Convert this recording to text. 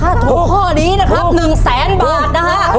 ถ้าถูกข้อนี้นะครับ๑แสนบาทนะฮะ